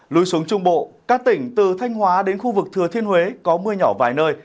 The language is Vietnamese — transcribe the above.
lưu xuống trung bộ các tỉnh từ thanh hóa đến khu vực thừa thiên huế có mưa nhỏ vài nơi